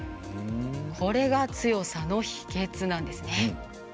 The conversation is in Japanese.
これが強さの秘けつなんですね。